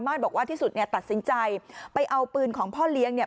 บอกว่าที่สุดเนี่ยตัดสินใจไปเอาปืนของพ่อเลี้ยงเนี่ย